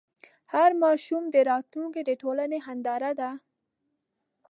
هر ماشوم د راتلونکي د ټولنې هنداره ده.